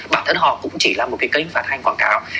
bản thân họ cũng chỉ là một cái kênh phát hành quảng cáo